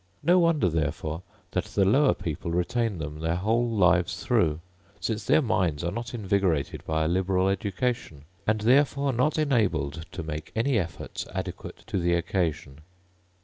No wonder therefore that the lower people retain them their whole lives through, since their minds are not invigorated by a liberal education, and therefore not enabled to make any efforts adequate to the occasion.